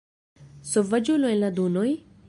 Sovaĝulo en la dunoj!?